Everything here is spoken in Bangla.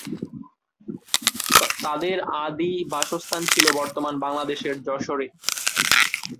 তাদের আদি বাসস্থান ছিল বর্তমান বাংলাদেশের যশোরে।